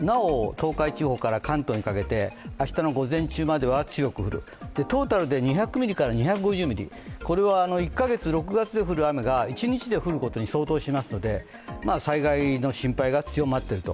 東海地方から関東にかけて、明日の午前中までは強く降る、トータルで２００ミリから２５０ミリ、これは１か月、６月で降る雨が一日で降ることに相当しますので、災害の心配が強まっていると。